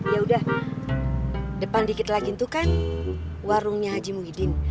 yaudah depan dikit lagi itu kan warungnya haji muhyiddin